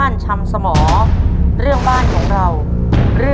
ต้นไม้ประจำจังหวัดระยองก่อนออกรายการครับ